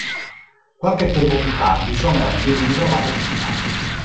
Qualche tempo più tardi, sua moglie viene trovata uccisa.